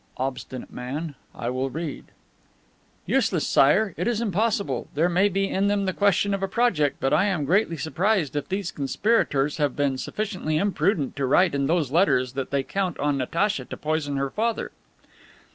"Obstinate man! I will read " "Useless, Sire. It is impossible. There may be in them the question of a project, but I am greatly surprised if these conspirators have been sufficiently imprudent to write in those letters that they count on Natacha to poison her father."